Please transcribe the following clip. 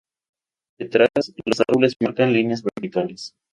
Detrás, los árboles marcan líneas verticales.